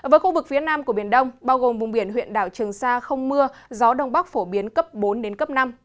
với khu vực phía nam của biển đông bao gồm vùng biển huyện đảo trường sa không mưa gió đông bắc phổ biến cấp bốn đến cấp năm